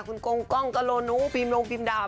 คุณกงกล้องกะโลนุพิมพ์โรงพิมพ์ดาว